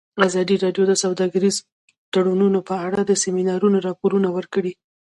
ازادي راډیو د سوداګریز تړونونه په اړه د سیمینارونو راپورونه ورکړي.